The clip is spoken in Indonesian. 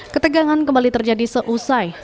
ketegangan kembali terjadi seusai